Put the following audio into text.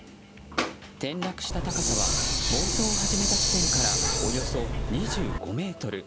転落した高さは暴走を始めた地点からおよそ２５ｍ。